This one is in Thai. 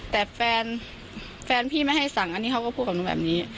แต่แฟนพี่ไม่ให้สั่งอันนี้เขาก็พูดกับหนูแบบนี้